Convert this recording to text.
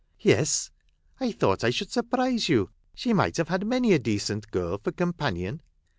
" Yes ! I thought I should surprise you. She might have had many a decent girl for companion.